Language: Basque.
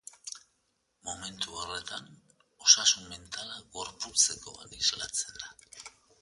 Momentu horretan, osasun mentala gorputzekoan islatzen da.